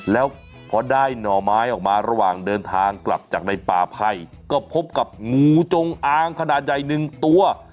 แล้วพอได้หน่อไม้ออกมาระหว่างเดินทางกลับจากในป่าไผ่ก็พบกับงูจงอางขนาดใหญ่หนึ่งตัว